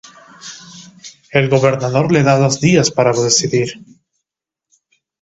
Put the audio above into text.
El Gobernador le da dos días para decidir.